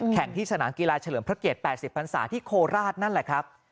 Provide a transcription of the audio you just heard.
ที่สนามกีฬาเฉลิมพระเกต๘๐พันศาที่โคราชนั่นแหละครับ